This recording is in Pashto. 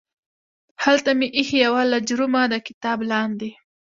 هلته مې ایښې یوه لجرمه د کتاب لاندې